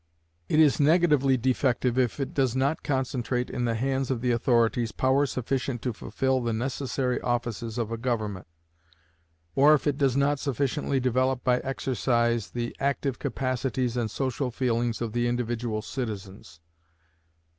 It is negatively defective if it does not concentrate in the hands of the authorities power sufficient to fulfill the necessary offices of a government, or if it does not sufficiently develop by exercise the active capacities and social feelings of the individual citizens.